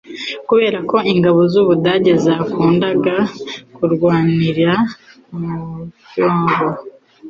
Kubera ko Ingabo z'u Budage zakundaga kurwanira mu myobo